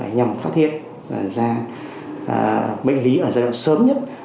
nhằm phát hiện ra bệnh lý ở giai đoạn sớm nhất